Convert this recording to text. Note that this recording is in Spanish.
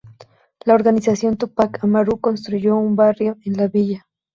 La organización Túpac Amaru construyó un barrio en la villa.